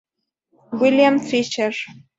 William Fisher